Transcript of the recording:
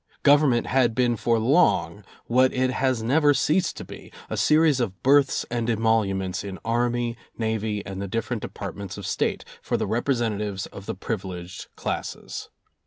Government had been for long what it has never ceased to be — a series of berths and emoluments in Army, Navy and the different departments of State, for the representa tives of the privileged classes.